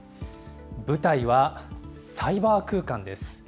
舞台は、サイバー空間です。